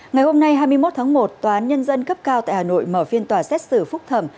ngày hôm nay hai mươi một tháng một tòa án nhân dân cấp cao tại hà nội mở phiên tòa xét xử phúc thẩm